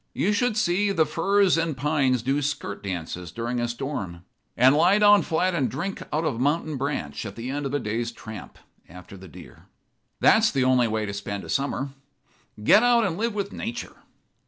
You should see the firs and pines do skirt dances during a storm; and lie down flat and drink out of a mountain branch at the end of a day's tramp after the deer. That's the only way to spend a summer. Get out and live with nature."